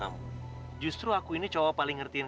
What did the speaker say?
aku tau kok kamu lagi mikir